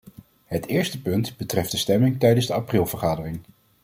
Het eerste punt betreft de stemming tijdens de aprilvergadering.